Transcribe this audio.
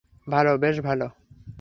ভালো, বেশ ভালো!